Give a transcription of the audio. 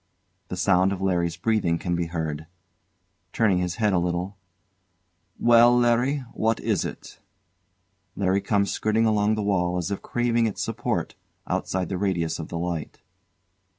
] The sound of LARRY's breathing can be heard. [Turning his head a little] Well, Larry, what is it? LARRY comes skirting along the wall, as if craving its support, outside the radius of the light.